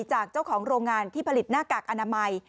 จากเจ้าของโรงงานที่ผลิตหน้ากากอนามัย